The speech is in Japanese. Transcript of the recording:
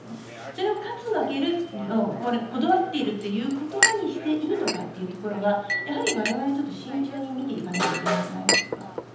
それが勝つ負けるという言葉にこだわっている言葉にしていいのかというところは我々は慎重に見ていかなきゃいけないんじゃないでしょうか。